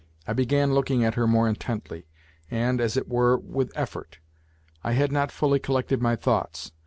I began looking at her more intently and, as it were, with effort. I had not fully collected my thoughts.